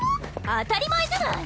当たり前じゃない！